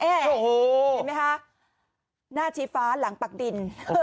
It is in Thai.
เห็นไหมคะหน้าชี้ฟ้าหลังปักดิน